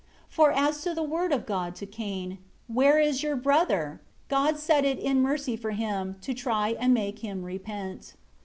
For as to the word of God to Cain, "Where is your brother?" God said it in mercy for him, to try and make him repent.